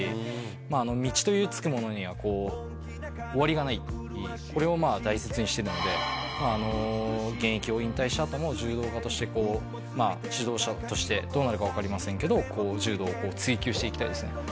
柔道家としてはこれを大切にしてるので現役を引退したあとも柔道家としてまあ指導者としてどうなるか分かりませんけど柔道を追求していきたいですね